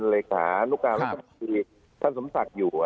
เหลือการพฤษานุกราศทนิยวิทยาควรท่านศมศักดิ์อยู่